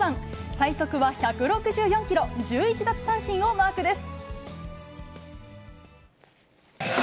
最速は１６４キロ、１１奪三振をマークです。